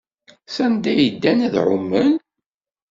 Sanda ay ddan ad ɛumen?